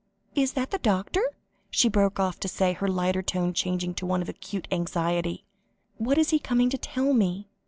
Is that the doctor?" she broke off to say, her lighter tone changing to one of acute anxiety. "What is he coming to tell me?"